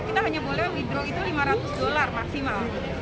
kita hanya boleh widro itu lima ratus dolar maksimal